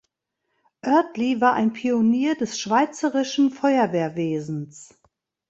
Oertli war ein Pionier des schweizerischen Feuerwehrwesens.